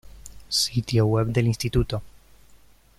Sitio web del Instituto